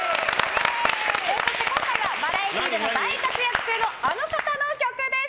今回はバラエティーでも大活躍中のあの方の曲です。